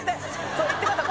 そういってください